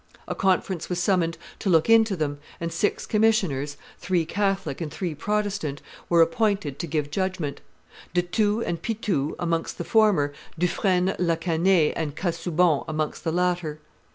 A conference was summoned to look into them, and six commissioners, three Catholic and three Protestant, were appointed to give judgment; De Thou and Pithou amongst the former, Dufresne la Canaye and Casaubon amongst the latter.